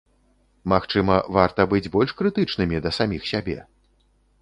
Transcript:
Магчыма, варта быць больш крытычнымі да саміх сябе?